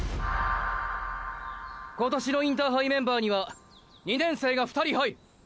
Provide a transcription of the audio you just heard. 今年のインターハイメンバーには２年生が２人入る。